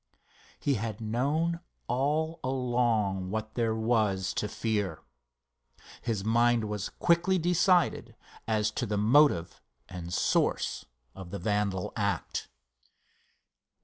He had known all along what there was to fear. His mind was quickly decided as to the motive and source of the vandal act.